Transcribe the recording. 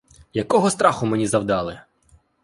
Якого страху мені завдали!